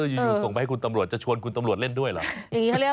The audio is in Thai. อยู่ส่งไปให้คุณตำรวจจะชวนคุณตำรวจเล่นด้วยเหรอ